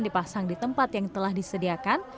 dipasang di tempat yang telah disediakan